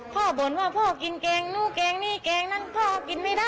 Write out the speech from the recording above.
บ่นว่าพ่อกินแกงนู้นแกงนี้แกงนั้นพ่อกินไม่ได้